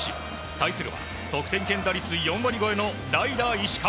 対するは得点圏打率４割超えの代打、石川。